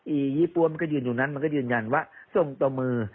อียี่ปวมก็ยืนอยู่นั้นมันก็ยืนยันว่าทรงตมือ